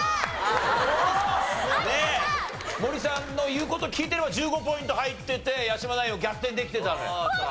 森さんの言う事聞いてれば１５ポイント入ってて八嶋ナインを逆転できてたのよ。